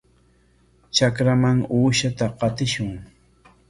Trakraman uushata qatishun.